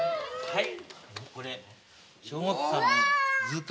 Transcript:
はい！